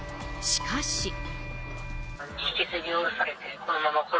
しかし。